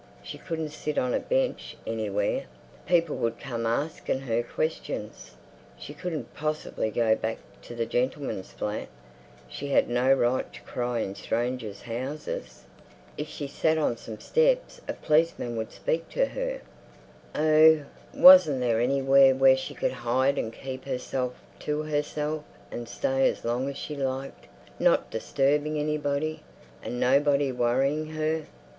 She couldn't sit on a bench anywhere; people would come arsking her questions. She couldn't possibly go back to the gentleman's flat; she had no right to cry in strangers' houses. If she sat on some steps a policeman would speak to her. Oh, wasn't there anywhere where she could hide and keep herself to herself and stay as long as she liked, not disturbing anybody, and nobody worrying her?